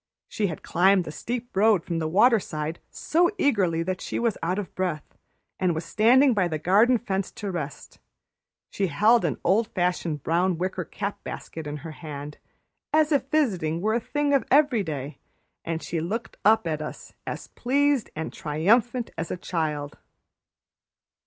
She had climbed the steep road from the waterside so eagerly that she was out of breath, and was standing by the garden fence to rest. She held an old fashioned brown wicker cap basket in her hand, as if visiting were a thing of every day, and looked up at us as pleased and triumphant as a child.